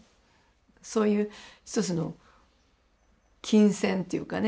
そういう一つの琴線っていうかね